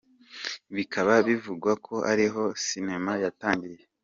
Bikaba bivugwa ko ariho sinema yatangiriye.